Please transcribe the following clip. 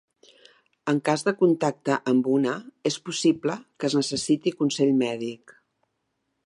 En cas de contacte amb una, és possible que es necessiti consell mèdic.